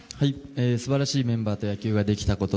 素晴らしいメンバーと野球ができたこと。